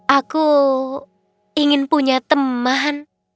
aku ingin punya teman